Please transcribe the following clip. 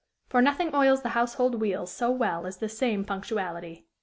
For nothing oils the household wheels so well as this same punctuality.